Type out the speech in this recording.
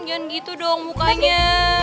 jangan gitu dong mukanya